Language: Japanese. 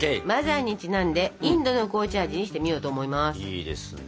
マザーにちなんでインドの紅茶味にしてみようと思います。